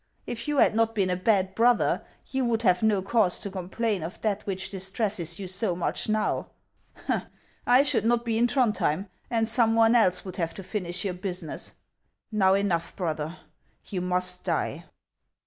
If you had not been a bad brother, you would have no cause to complain of that which distresses you so much now. I should not be in Throndhjem, and some one else would 33 514 HANS OF ICELAND. have to finish your business. Now, enough, brother, you must die."